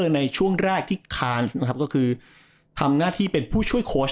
ในช่วงแรกที่คานส์นะครับก็คือทำหน้าที่เป็นผู้ช่วยโค้ช